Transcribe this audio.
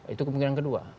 itu kemungkinan kedua